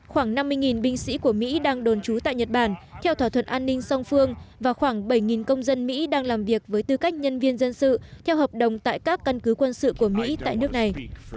khoảng năm mươi binh sĩ của mỹ đang đồn trú tại nhật bản theo thỏa thuận an ninh song phương và khoảng bảy công dân mỹ đang làm việc với tư cách nhân viên dân sự theo hợp đồng tại các căn cứ quân sự của mỹ tại nước này